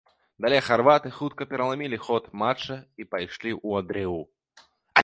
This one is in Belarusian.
Далей харваты хутка пераламілі ход матча і пайшлі ў адрыў.